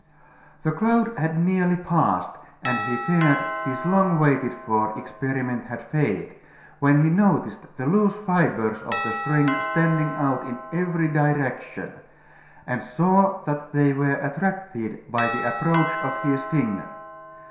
The cloud had nearly passed and he feared his long waited for experiment had failed, when he noticed the loose fibers of the string standing out in every direction, and saw that they were attracted by the approach of his finger.